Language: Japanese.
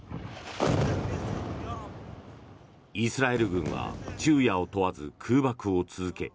イスラエル軍は昼夜を問わず空爆を続け